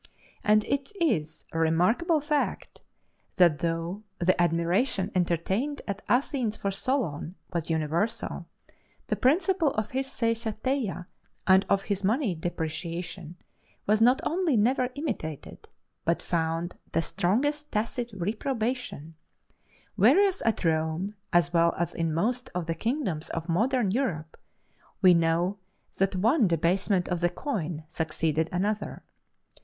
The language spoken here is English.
And it is a remarkable fact, that though the admiration entertained at Athens for Solon was universal, the principle of his Seisachtheia and of his money depreciation was not only never imitated, but found the strongest tacit reprobation; whereas at Rome, as well as in most of the kingdoms of modern Europe, we know that one debasement of the coin succeeded another.